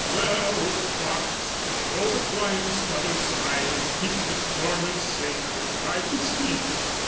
"There, old fox, show the clients t'other side "And keep this corner sacred, I beseech!